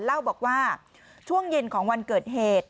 เล่าบอกว่าช่วงเย็นของวันเกิดเหตุ